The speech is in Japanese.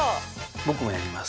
僕もやります。